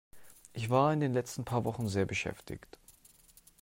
Ich war in den letzten paar Wochen sehr beschäftigt.